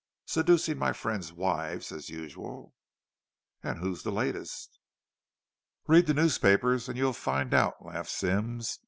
"Seducing my friends' wives, as usual." "And who's the latest?" "Read the newspapers, and you'll find out," laughed Symmes.